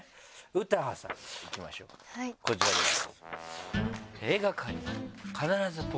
詩羽さんいきましょうかこちらです。